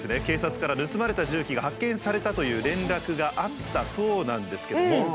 警察から盗まれた重機が発見されたという連絡があったそうなんですけども。